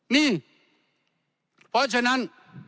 นี่เพราะฉะนั้น